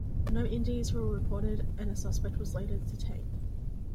No injuries were reported, and a suspect was later detained.